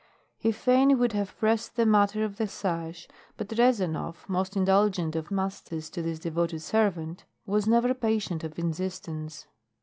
He fain would have pressed the matter of the sash, but Rezanov, most indulgent of masters to this devoted servant, was never patient of insistence.